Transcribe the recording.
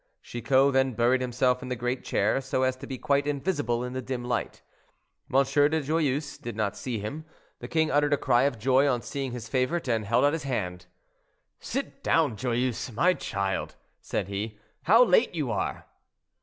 Chicot then buried himself in the great chair, so as to be quite invisible in the dim light. M. de Joyeuse did not see him. The king uttered a cry of joy on seeing his favorite, and held out his hand. "Sit down, Joyeuse, my child," said he; "how late you are."